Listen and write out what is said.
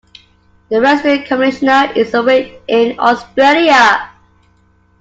The Resident Commissioner is away in Australia.